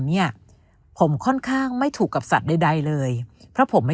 เนี่ยผมค่อนข้างไม่ถูกกับสัตว์ใดใดเลยเพราะผมไม่